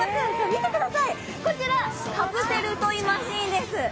見てください、こちらカプセルトイマシンです。